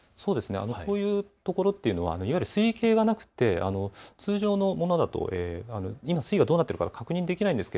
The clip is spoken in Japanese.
こういうところというのは水位計がなくて通常のものだと今、水位がどうなっているか確認できないんですか